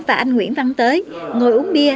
và anh nguyễn văn tới ngồi uống bia